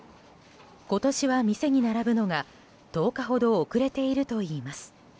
今年は、店に並ぶのが１０日ほど遅れているといいます。